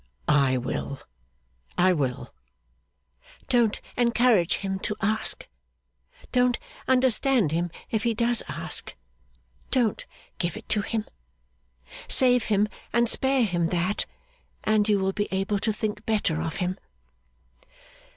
'I Will, I Will.' 'Don't encourage him to ask. Don't understand him if he does ask. Don't give it to him. Save him and spare him that, and you will be able to think better of him!